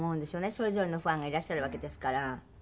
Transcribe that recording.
それぞれのファンがいらっしゃるわけですから。